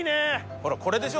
ほらこれでしょ。